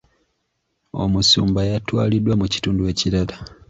Omusumba yatwaliddwa mu kitundu ekirala.